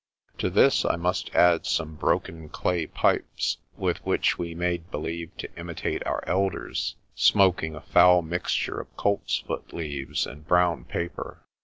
To this I must add some broken clay pipes, with which we made believe to imitate our elders, smoking a foul mixture of coltsfoot leaves and brown paper.